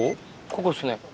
ここですね。